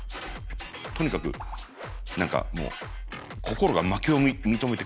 とにかく何かもう心が負けを認めて悔しいみたいな。